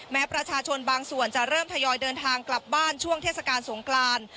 แม้ประชาชนบางส่วนจะเริ่มทยอยเดินทางกลับบ้านช่วงเทศกาลสงกราน